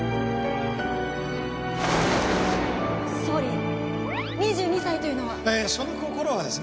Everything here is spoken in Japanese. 総理２２歳というのは？